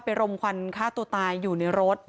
รมควันฆ่าตัวตายอยู่ในรถ